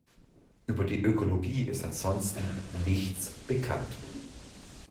Über die Ökologie ist ansonsten nichts bekannt.